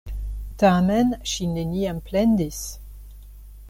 Tamen, ŝi neniam plendis.